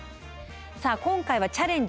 さあ今回は「チャレンジ！